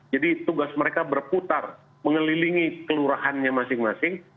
jadi tugas mereka berputar mengelilingi kelurahannya masing masing